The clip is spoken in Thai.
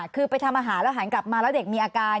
คือไปทำอาหารแล้วหันกลับมาแล้วเด็กมีอาการ